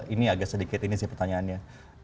ini agak sedikit ini sih pertanyaannya